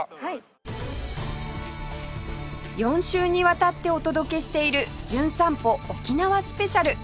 ４週にわたってお届けしている『じゅん散歩』沖縄スペシャル